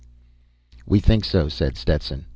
"We think so," said Stetson.